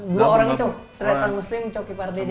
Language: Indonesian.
dua orang itu tretan muslim dan coki pardede